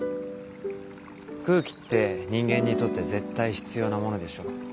空気って人間にとって絶対必要なものでしょう？